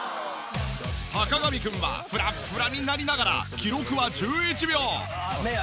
坂上くんはフラッフラになりながら記録は１１秒。